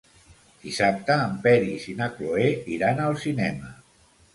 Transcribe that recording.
Dissabte en Peris i na Cloè iran al cinema.